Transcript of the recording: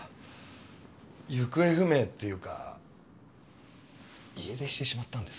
行方不明っていうか家出してしまったんです。